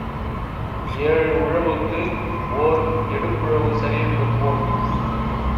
ஏழு உழவுக்கு ஓர் எடுப்புழவு சரி என்பது போல்.